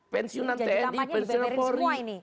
pensiunan tni pensiunan polri